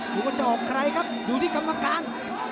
ว่าจะออกใครครับอยู่ที่กรรมการ